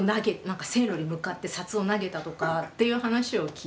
線路に向かって札を投げたとかっていう話を聞いて。